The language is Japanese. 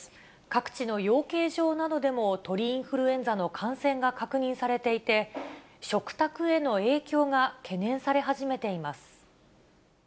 各地の養鶏場などでも鳥インフルエンザの感染が確認されていて、食卓への影響が懸念され始めています。